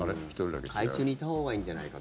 海中にいたほうがいいんじゃないか。